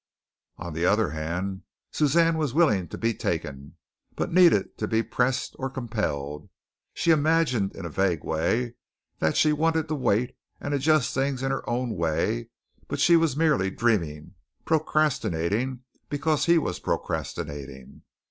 On the other hand, Suzanne was willing to be taken, but needed to be pressed or compelled. She imagined in a vague way that she wanted to wait and adjust things in her own way, but she was merely dreaming, procrastinating because he was procrastinating.